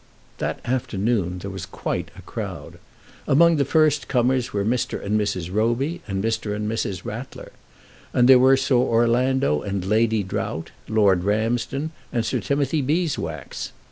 That afternoon there was quite a crowd. Among the first comers were Mr. and Mrs. Roby, and Mr. and Mrs. Rattler. And there were Sir Orlando and Lady Drought, Lord Ramsden, and Sir Timothy Beeswax.